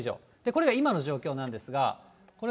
そして今の状況なんですが。